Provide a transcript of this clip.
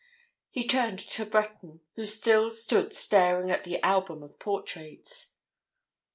He turned to Breton, who still stood staring at the album of portraits.